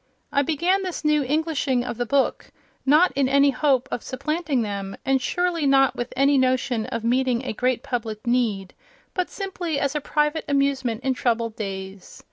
I began this new Englishing of the book, not in any hope of supplanting them, and surely not with any notion of meeting a great public need, but simply as a private amusement in troubled days.